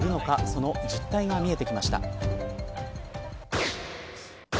その実態が見えてきました。